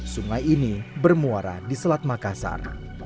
sungai ini bermuara di selat makassar